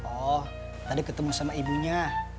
oh tadi ketemu sama ibunya